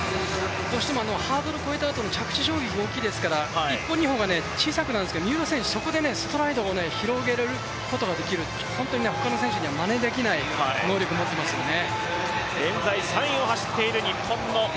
どうしてもハードルを越えたあとの着地が大きいですから一歩、二歩が小さくなるんですけど三浦選手、そこでストライドを広げることができる本当に他の選手にはまねできない能力を持っていますよね。